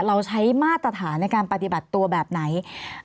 เราใช้มาตรฐานในการปฏิบัติตัวแบบไหน